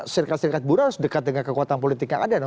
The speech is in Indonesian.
serikat serikat buruh harus dekat dengan kekuatan politik yang ada